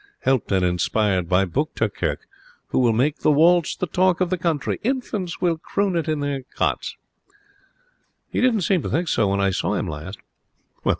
Helped and inspired by Buchterkirch, he will make the waltz the talk of the country. Infants will croon it in their cots.' 'He didn't seem to think so when I saw him last.'